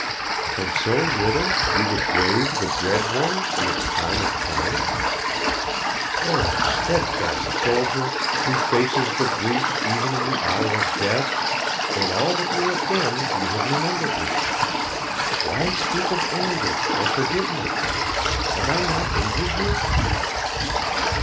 "For so little, you would brave the Dread One in Its time of triumph? O steadfast soldier, who faces the Breach even in the hour of death, in all that you have done you have remembered me. Why speak of anger or forgiveness? Have I not injured you?"